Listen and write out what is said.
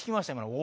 「お！」。